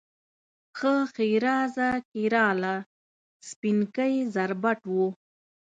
ښه ښېرازه کیراله، سپینکۍ زربټ و